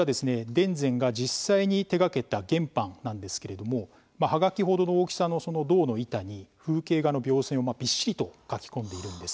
田善が実際に手がけた原版なんですけれどもまあハガキほどの大きさのその銅の板に風景画の描線をびっしりと描き込んでいるんです。